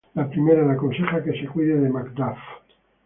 La primera le aconseja que se cuide de Macduff.